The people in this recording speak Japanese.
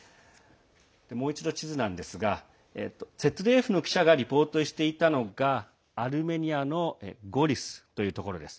もう一度、地図なんですがＺＤＦの記者がリポートしていたのがアルメニアのゴリスというところです。